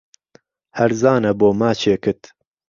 ههرزانه بۆ ماچێکت